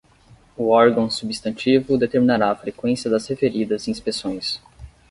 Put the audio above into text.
O órgão substantivo determinará a freqüência das referidas inspeções.